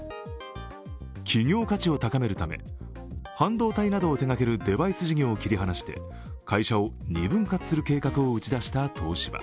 企業価値を高めるため、半導体などを手がけるデバイス事業を切り離して会社を２分割する計画を打ち出した東芝。